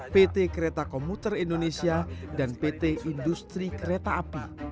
pt kereta komuter indonesia dan pt industri kereta api